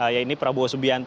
yaitu prabowo subianto